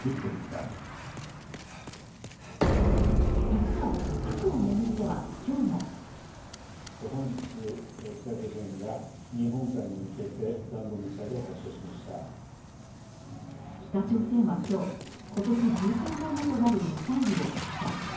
一方、核を巡っては今日も北朝鮮は今日、今年１３回目となるミサイルを発射。